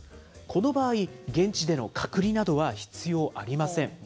この場合、現地での隔離などは必要ありません。